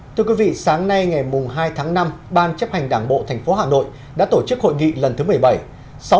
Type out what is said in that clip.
thưa quý vị sáng nay ngày hai tháng năm ban chấp hành đảng bộ tp hà nội đã tổ chức hội nghị lần thứ một mươi bảy